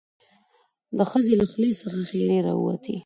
د ښځې له خولې څخه ښيراوې راووتې.